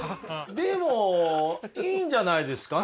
でもいいんじゃないですかね。